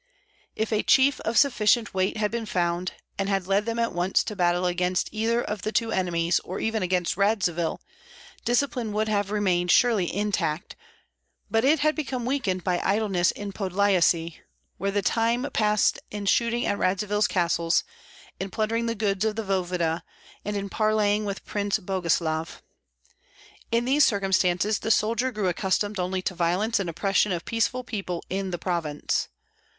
If a chief of sufficient weight had been found, and had led them at once to battle against either of the two enemies, or even against Radzivill, discipline would have remained surely intact; but it had become weakened by idleness in Podlyasye, where the time passed in shooting at Radzivill's castles, in plundering the goods of the voevoda, and in parleying with Prince Boguslav. In these circumstances the soldier grew accustomed only to violence and oppression of peaceful people in the province.